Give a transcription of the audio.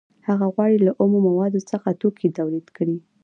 هغه غواړي له اومو موادو څخه توکي تولید کړي